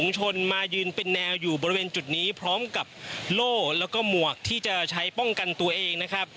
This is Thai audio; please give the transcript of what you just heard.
จุดนี้พร้อมกับโล่แล้วก็หมวกที่จะใช้ป้องกันตัวเองนะครับ